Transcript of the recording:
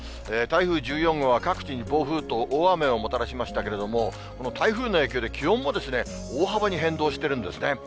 台風１４号は各地に暴風と大雨をもたらしましたけれども、この台風の影響で気温も大幅に変動しているんですね。